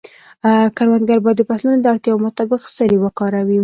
کروندګر باید د فصلونو د اړتیاوو مطابق سرې وکاروي.